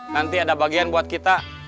nanti ada bagian buat kita